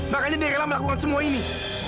makanya dirilah melakukan semua ini